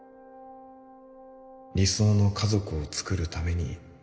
理想の家族をつくるために